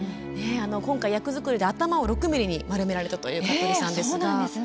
今回役作りで頭を六分に丸められたということです。